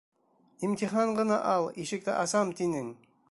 Имтихан ғына ал, ишекте асам, тинең!